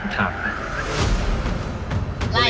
ครับ